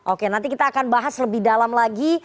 oke nanti kita akan bahas lebih dalam lagi